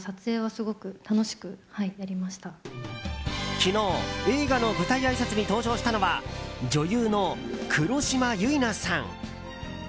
昨日、映画の舞台あいさつに登場したのは女優の黒島結菜さん。